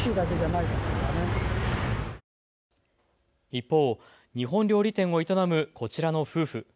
一方、日本料理店を営むこちらの夫婦。